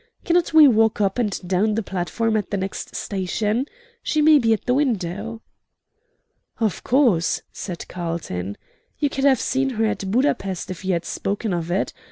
Cannot we walk up and down the platform at the next station? She may be at the window." "Of course," said Carlton. "You could have seen her at Buda Pesth if you had spoken of it.